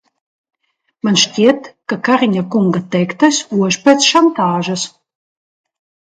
Man šķiet, ka Kariņa kunga teiktais ož pēc šantāžas.